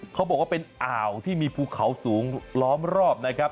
เขาบอกว่าเป็นอ่าวที่มีภูเขาสูงล้อมรอบนะครับ